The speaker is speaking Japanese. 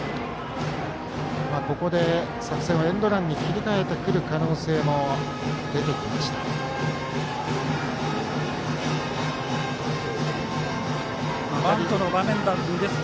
ここで作戦をエンドランに切り替えてくる可能性もあります。